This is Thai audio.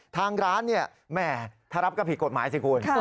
ทางร้านเนี่ยแหมถ้ารับก็ผิดกฎหมายสิคุณ